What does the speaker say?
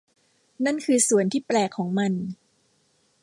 นั่นคือส่วนที่แปลกของมัน